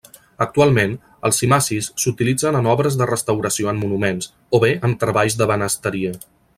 Actualment, els cimacis s'utilitzen en obres de restauració en monuments, o bé en treballs d'ebenisteria.